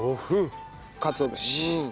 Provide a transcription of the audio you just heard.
かつお節。